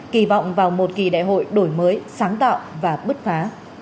kỳ vọng vào một kỳ đại hội đổi mới sáng tạo và bứt phá